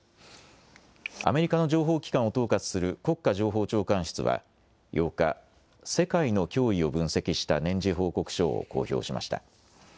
アメリカの情報機関を統括する国家情報長官室は８日、世界の脅威を分析した年次報告書を公表しました。